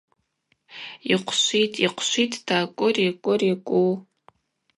Йхъвшвитӏ-йхъвшвитӏта – Кӏвыри-кӏвыри-кӏву-у.